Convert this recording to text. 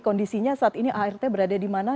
kondisinya saat ini art berada di mana